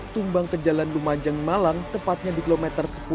tumbang ke jalan lumajang malang tepatnya di kilometer sepuluh